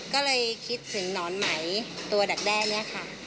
ก็เลยคิดถึงหนอนไหมตัวดักแด้เนี่ยค่ะ